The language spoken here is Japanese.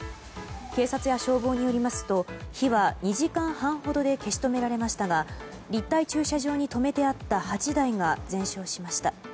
警察や消防によりますと火は２時間半ほどで消し止められましたが立体駐車場に止めてあった８台が全焼しました。